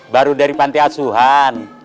baru dari pantai asuhan